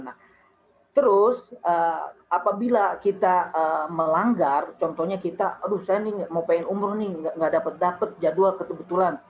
nah terus apabila kita melanggar contohnya kita aduh saya nih mau pengen umroh nih nggak dapat dapat jadwal kebetulan